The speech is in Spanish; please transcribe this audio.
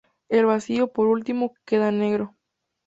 El vacío, por último, queda negro.